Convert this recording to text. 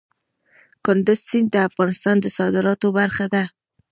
کندز سیند د افغانستان د صادراتو برخه ده.